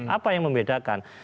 apa yang membedakan